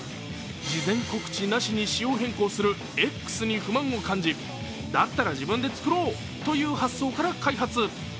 事前告知なしに仕様変更するＸに不満を感じだったら自分で作ろうという発想から開発。